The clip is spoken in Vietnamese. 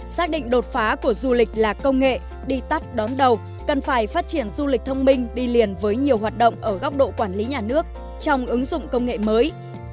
xác định đột phá của du lịch là công nghệ đi tắt đón đầu cần phải phát triển du lịch thông minh đi liền với nhiều hoạt động ở góc độ quản lý nhà nước trong ứng dụng công nghệ mới